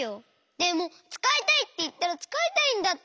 でもつかいたいっていったらつかいたいんだってば！